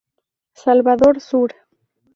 Salvador Sur.